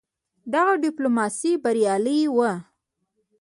د هغه ډيپلوماسي بریالی وه.